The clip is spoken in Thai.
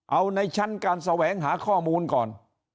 เอาในชั้นการแสวงหาข้อมูลก่อน